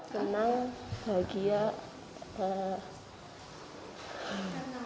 senang bahagia bisa masuk sekolah impian